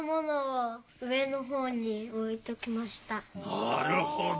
なるほど。